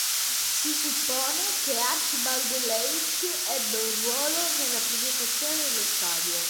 Si suppone che Archibald Leitch ebbe un ruolo nella progettazione dello stadio.